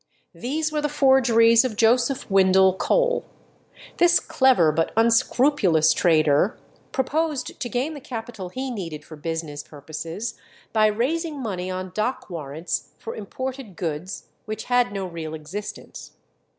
These were the forgeries of Joseph Windle Cole. This clever but unscrupulous trader proposed to gain the capital he needed for business purposes by raising money on dock warrants for imported goods which had no real existence.